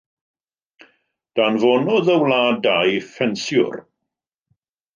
Danfonodd y wlad dau ffensiwr.